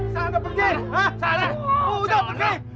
sana sudah pergi